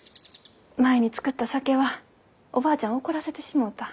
前に造った酒はおばあちゃんを怒らせてしもうた。